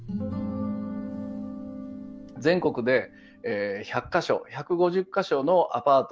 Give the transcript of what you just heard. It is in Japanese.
全国で１００か所１５０か所のアパート。